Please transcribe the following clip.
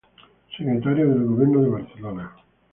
Secretario del Gobierno de Barcelona.